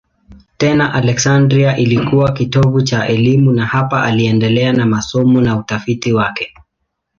Tena Aleksandria ilikuwa kitovu cha elimu na hapa aliendelea na masomo na utafiti wake.